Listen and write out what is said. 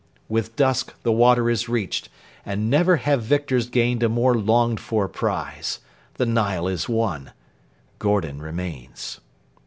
With dusk the water is reached, and never have victors gained a more longed for prize. The Nile is won. Gordon remains.